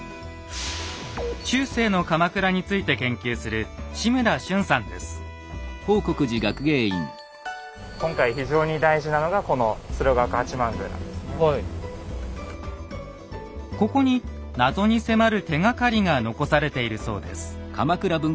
中世の鎌倉について研究する今回非常に大事なのがこのここに謎に迫る手がかりが残されているそうです。